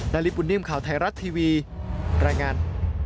ริปุ่นนิ่มข่าวไทยรัฐทีวีรายงาน